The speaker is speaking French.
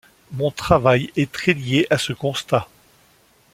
Mon travail est très lié à ce constat.